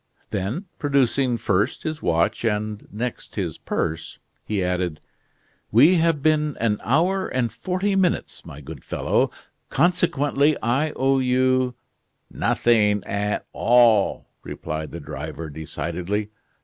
Then, producing first his watch, and next his purse, he added: "We have been an hour and forty minutes, my good fellow, consequently I owe you " "Nothing at all," replied the driver, decidedly.